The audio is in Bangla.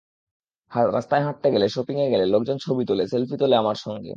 রাস্তায় হাঁটতে গেলে, শপিংয়ে গেলে লোকজন ছবি তোলে, সেলফি তোলে আমার সঙ্গে।